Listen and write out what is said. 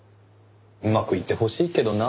うまくいってほしいけどな。